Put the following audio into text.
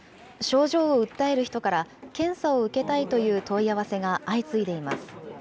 症状を訴える人から、検査を受けたいという問い合わせが相次いでいます。